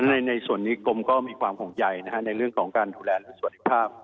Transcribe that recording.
ในในส่วนนี้กรมก็มีความของใหญ่นะฮะในเรื่องของการดูแลและสวัสดีภาพ